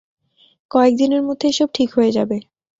কয়েক দিনের মধ্যে এসব ঠিক হয়ে যাবে।